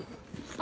あ。